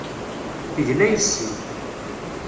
Tegla yes-i.